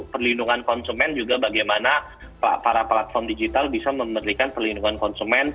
perlindungan konsumen juga bagaimana para platform digital bisa memberikan perlindungan konsumen